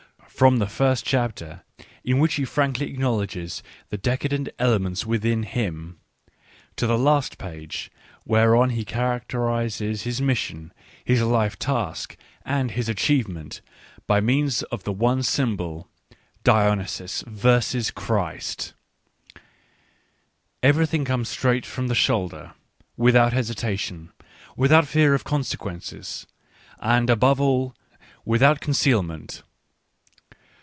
From the first chapter, in which he frankly ac knowledges the decadent elements within him, to the last page, whereon he characterises his mission, his life task, and his achievement, by means of the one symbol , Dionysus versus Christ,— everything comes straight irom the shoulder, without hesitation, without fear of consequences, and, above all, without conceal ment.